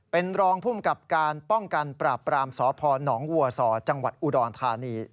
เป็นรองภูมิกับการป้องกันปราบปรามสพนวัวสอจังหวัดอุดรธานี